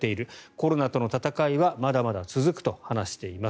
コロナとの闘いはまだまだ続くと話しています。